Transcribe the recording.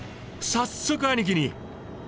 早速兄貴に！